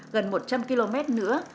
gần một trăm linh km nữa